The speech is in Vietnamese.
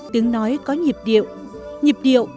tiếng nói có nhịp điệu